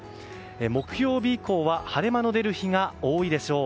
木曜日以降は晴れ間の出る日が多いでしょう。